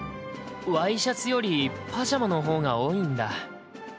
ワイシャツよりパジャマのほうが多いんだ。